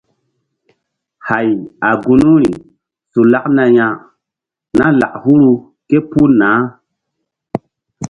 Hay a gunuri su lakna ya na lak huru ké puh nah.